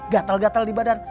gatel gatel di badan